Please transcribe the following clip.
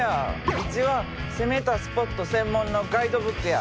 うちは攻めたスポット専門のガイドブックや。